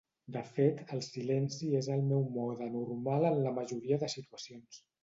De fet, El silenci és el meu mode normal en la majoria de situacions.